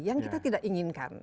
yang kita tidak inginkan